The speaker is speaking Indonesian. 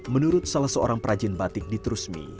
menurut salah seorang perajin batik di trusmi